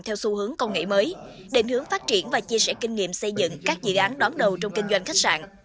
theo xu hướng công nghệ mới định hướng phát triển và chia sẻ kinh nghiệm xây dựng các dự án đón đầu trong kinh doanh khách sạn